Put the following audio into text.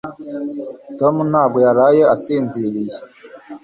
Tom ntabwo yaraye asinziriye.